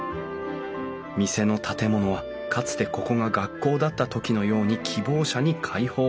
店の建物はかつてここが学校だった時のように希望者に開放。